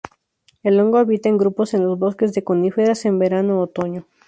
El hongo habita en grupos en los bosques de coníferas en verano-otoño.